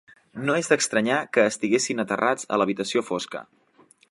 No és d'estranyar que estiguessin aterrats a l'habitació fosca.